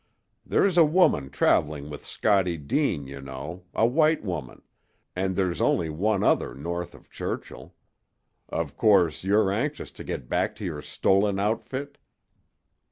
"There's a woman traveling with Scottie Deane, you know a white woman and there's only one other north of Churchill. Of course, you're anxious to get back your stolen outfit?"